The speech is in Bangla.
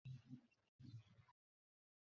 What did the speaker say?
মুখমণ্ডলেও বর্শার আঘাত করা হয়।